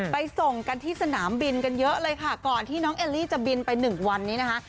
ไปส่งกันที่สนามบินกันเยอะเลยค่ะก่อนที่น้องเอลลี่จะบินไปหนึ่งวันนี้นะคะ